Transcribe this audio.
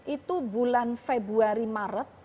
itu bulan februari maret